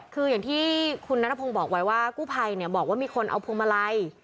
คืออย่างที่คุณนัทพงศ์บอกไว้ว่ากู้ภัยบอกว่ามีคนเอาพวงมาลัย